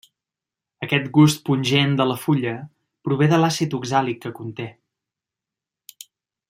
Aquest gust pungent de la fulla prové de l'àcid oxàlic que conté.